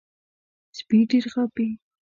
سپي ډېر غاپي .